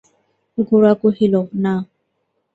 গোরা কহিল, না।